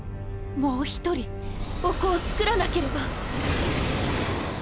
もう一人お子をつくらなければ